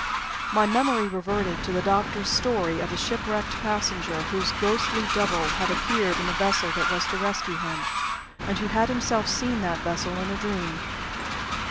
My memory reverted to the doctor's story of the shipwrecked passenger, whose ghostly "double" had appeared in the vessel that was to rescue him, and who had himself seen that vessel in a dream.